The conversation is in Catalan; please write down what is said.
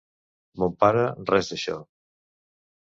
Mon pare, res d'això.